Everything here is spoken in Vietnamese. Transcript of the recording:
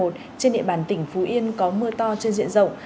trên địa bàn tỉnh phú yên có mưa to trên diện rộng